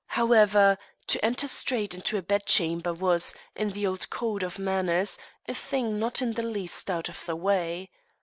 However, to enter straight into a bedchamber was, in the old code of manners, a thing not in the least out of the way.